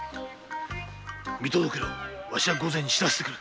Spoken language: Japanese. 見届けろわしは御前に報せてくる。